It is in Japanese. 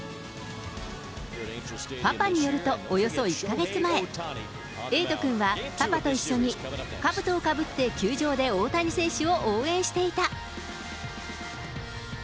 パパによると、およそ１か月前、えいと君はパパと一緒にかぶとをかぶって球場で大谷選手を応援していた。